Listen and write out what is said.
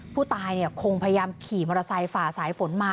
ผู้ตายคงพยายามขี่มอเตอร์ไซค์ฝ่าสายฝนมา